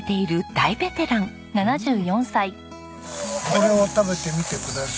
これを食べてみてください。